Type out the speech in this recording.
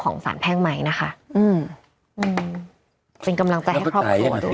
สารแพ่งไหมนะคะอืมอืมเป็นกำลังใจให้ครอบครัวด้วย